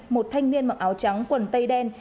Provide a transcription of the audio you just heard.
một thanh niên mặc áo trắng quần tây đen